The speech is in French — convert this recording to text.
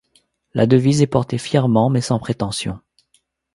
La devise est portée fièrement mais sans prétention.